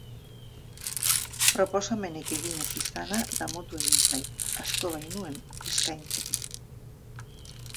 Proposamenik egin ez izana damutu egin zait, asko bainuen eskaintzeke.